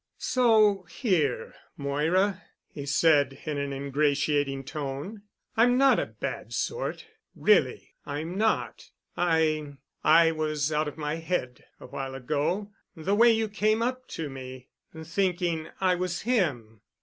"So here, Moira," he said in an ingratiating tone. "I'm not a bad sort—really I'm not. I—I was out of my head awhile ago—the way you came up to me, thinking I was him.